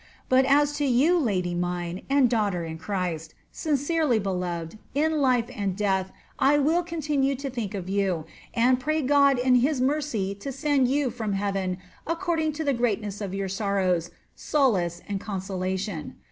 But as to you, lady of mine, and daughter in Christ, sincerely beloved, in life and death I will continue to diink of you, and pray God in his mercy to send you from heaven, according to the greatness of your sorrows, solace and consolation.